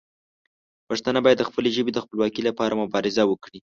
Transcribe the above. پښتانه باید د خپلې ژبې د خپلواکۍ لپاره مبارزه وکړي.